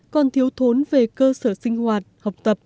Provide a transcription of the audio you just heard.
còn thiếu thốn về cơ sở sinh tinh